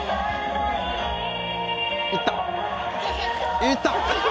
いった！